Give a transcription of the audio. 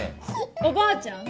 おばあちゃん